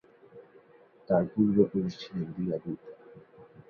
তার পূর্বপুরুষ ছিলেন দিয়াগুইতা।